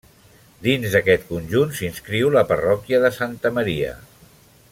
Dins d'aquest conjunt s'inscriu la Parròquia de Santa Maria.